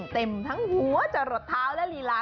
เต็มทั้งหัวจรดเท้าลีลา